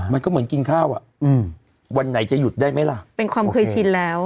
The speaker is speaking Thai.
มันก็เหมือนกินข้าวอ่ะอืมวันไหนจะหยุดได้ไหมล่ะเป็นความเคยชินแล้ว